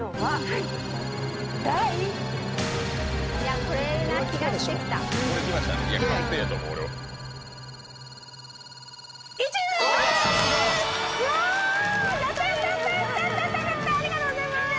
ありがとうございます！